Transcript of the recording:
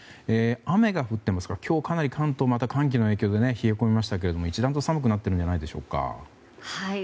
雨が降っていますから今日はかなり関東は寒気の影響で冷え込みましたが一段と寒くなっているんじゃないでしょうか。